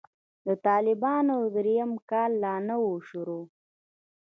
د طالبانو درېيم کال لا نه و شروع.